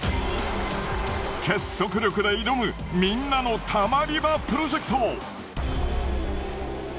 結束力で挑むみんなのたまり場プロジェクト。